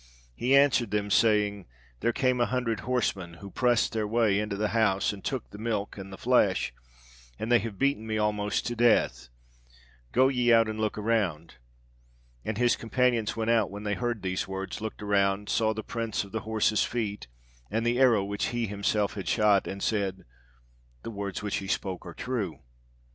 he answered them, saying, 'There came a hundred horsemen, who pressed their way into the house, and took the milk and the flesh, and they have beaten me almost to death. Go ye out, and look around.' And his companions went out when they heard these words, looked around, saw the prints of the horses' feet and the arrow which he himself had shot, and said, 'The words which he spoke are true.'